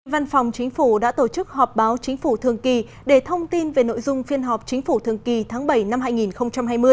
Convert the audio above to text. văn phòng chính phủ đã tổ chức họp báo chính phủ thường kỳ để thông tin về nội dung phiên họp chính phủ thường kỳ tháng bảy năm hai nghìn hai mươi